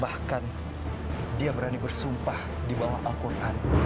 bahkan dia berani bersumpah di bawah al quran